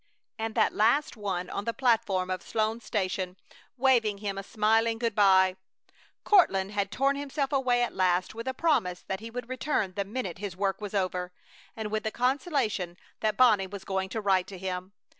And that last one on the platform of Sloan's Station, waving him a smiling good by! Courtland had torn himself away at last, with a promise that he would return the minute his work was over, and with the consolation that Bonnie was going to write to him.